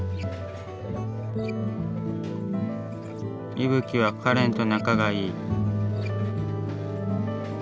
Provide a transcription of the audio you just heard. いぶきはかれんと仲がいい。